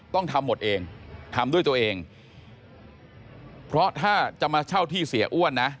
ต้องทำหมดเองทำด้วยตัวเองเพราะถ้าจะมาเช่าที่เสียอ้วนนะ